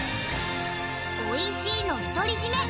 おいしいの独り占め